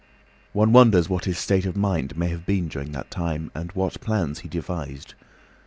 One wonders what his state of mind may have been during that time, and what plans he devised.